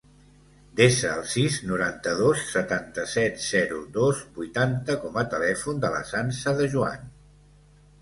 Desa el sis, noranta-dos, setanta-set, zero, dos, vuitanta com a telèfon de la Sança De Juan.